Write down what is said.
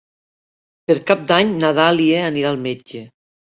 Per Cap d'Any na Dàlia anirà al metge.